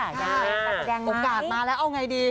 อยากแสดงไหมโอกาสมาแล้วเอาไงดี